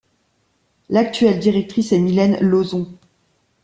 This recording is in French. L'actuelle directrice est Mylène Lauzon.